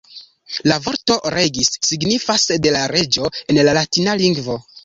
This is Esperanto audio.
La vorto ""regis"" signifas ""de la reĝo"" en la latina lingvo.